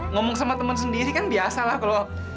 ngomong sama temen sendiri kan biasa lah kalo